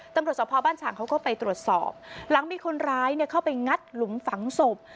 สภาพบ้านฉางเขาก็ไปตรวจสอบหลังมีคนร้ายเข้าไปงัดหลุมฝังศพ